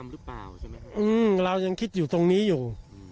เรายังคิดอยู่ตรงนี้อยู่